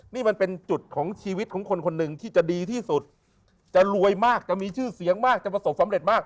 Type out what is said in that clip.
นี่มันเป็นจุดของชีวิตของคนคนหนึ่งที่จะดีที่สุดจะรวยมากจะมีชื่อเสียงมากจะประสบสำเร็จมาก